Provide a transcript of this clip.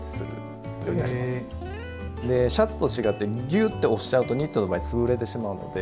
シャツと違ってギュッと押しちゃうとニットの場合つぶれてしまうので。